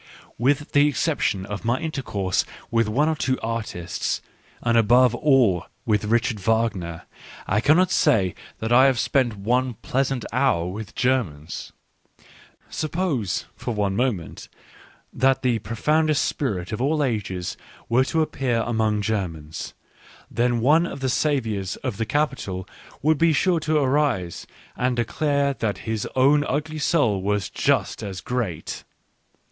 With the Digitized by Google WHY I WRITE SUCH EXCELLENT BOOKS 1 29 exception of my intercourse with one or two artists, and above all with Richard Wagner, I cannot say that I have spent one pleasant hour with Germans. Suppose, for one moment, that the profoundest spirit of all ages were to appear among Germans, then one of the saviours of the Capitol would be sure to arise and declare that his own ugly soul was just as great.